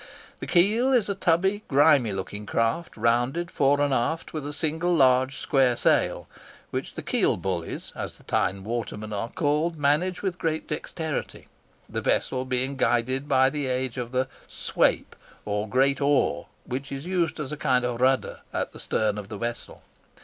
The keel is a tubby, grimy looking craft, rounded fore and aft, with a single large square sail, which the keel bullies, as the Tyne watermen are called, manage with great dexterity; the vessel being guided by the aid of the "swape," or great oar, which is used as a kind of rudder at the stern of the vessel.